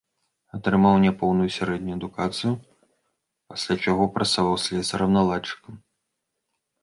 Атрымаў няпоўную сярэднюю адукацыю, пасля чаго працаваў слесарам-наладчыкам.